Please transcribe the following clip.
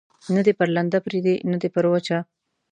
نه دي پر لنده پرېږدي، نه پر وچه.